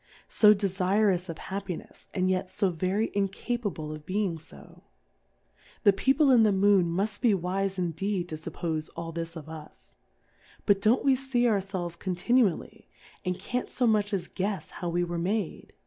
So de fu'ous of Happinefs, and yet fo very in capable of being fo ? The People in the Moon mufl: be wife indeed to fuppofe all this of us. But don't we fee our felves continually, and can't fo much as guefs how we were made